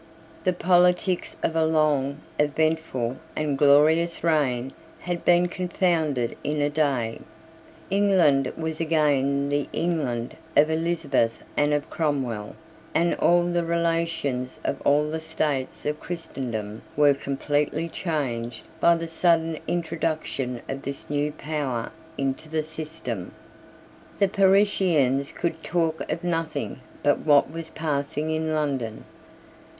The politics of a long, eventful, and glorious reign had been confounded in a day. England was again the England of Elizabeth and of Cromwell; and all the relations of all the states of Christendom were completely changed by the sudden introduction of this new power into the system. The Parisians could talk of nothing but what was passing in London.